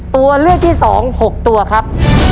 ตัวเลือกที่๒๖ตัวครับ